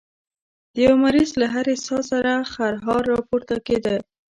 د يوه مريض له هرې ساه سره خرهار راپورته کېده.